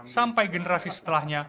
sampai generasi setelahnya